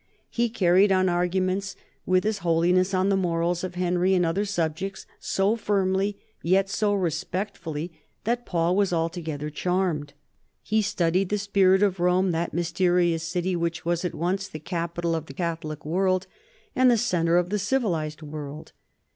He carried on arguments with His EARLY YEARS 35 Holiness on the morals of Henry and other subjects, so firmly yet so respectfully that Paul was altogether charmed. He studied the spirit of Rome, that mysterious city which was at once " the capital of the Catholic world and the centre of the civilized, world."